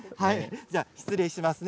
失礼しますね。